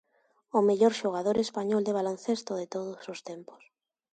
O mellor xogador español de baloncesto de todos os tempos.